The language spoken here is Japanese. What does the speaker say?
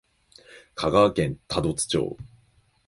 香川県多度津町